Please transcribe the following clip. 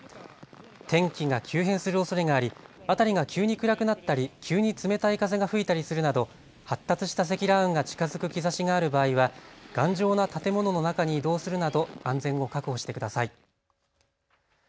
天気が急変するおそれがあり辺りが急に暗くなったり急に冷たい風が吹いたりするなど発達した積乱雲が近づく兆しがある場合は頑丈な建物の中に移動するなど安全を確保してください。